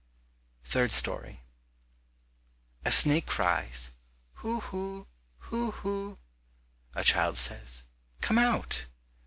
Third Story. A snake cries, "Huhu, huhu." A child says, "Come out."